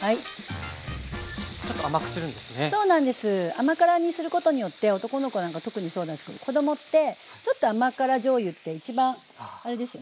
甘辛にすることによって男の子なんか特にそうなんですけど子供ってちょっと甘辛じょうゆって一番あれですよね。